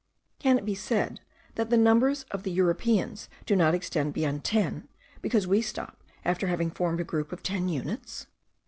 Can it be said that the numbers of the Europeans do not extend beyond ten, because we stop after having formed a group of ten units?